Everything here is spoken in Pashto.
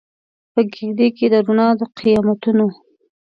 په کیږدۍ کې د روڼا د قیامتونو